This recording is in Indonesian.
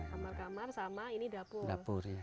kamar kamar sama ini dapur